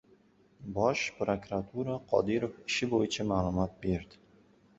Bosh prokuratura «Qodirov ishi» bo‘yicha ma’lumot berdi